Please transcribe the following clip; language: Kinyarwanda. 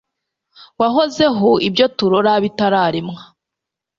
wahozeho, ibyo turora bitararemwa